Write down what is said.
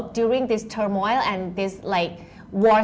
คุณมีอะไรต่อบนี้ไหม